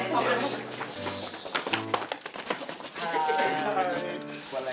ehh lu kenal lagi